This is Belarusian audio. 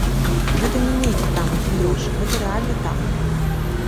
Гэта не нейкі там выпендрож, гэта рэальна так.